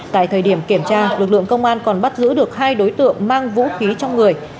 tại thời điểm kiểm tra lực lượng công an còn bắt giữ được hai đối tượng mang vũ khí trong người